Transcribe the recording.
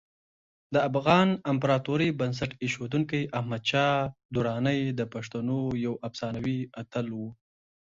د افغان امپراتورۍ بنسټ ایښودونکی احمدشاه درانی د پښتنو یو افسانوي اتل و.